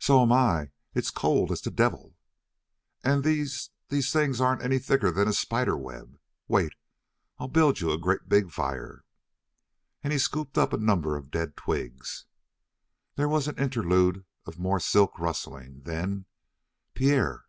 "So'm I. It's c c cold as the d d d devil." "And these th things aren't any thicker than spider webs." "Wait. I'll build you a great big fire." And he scooped up a number of dead twigs. There was an interlude of more silk rustling, then: "P P Pierre."